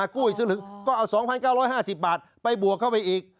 กู้อีกซื้อหนึ่งก็เอา๒๙๕๐บาทไปบวกเข้าไปอีก